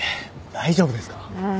大丈夫ですか？